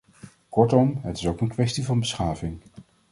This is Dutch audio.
Kortom, het is ook een kwestie van beschaving.